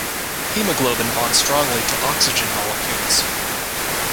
Hemoglobin bonds strongly to oxygen molecules.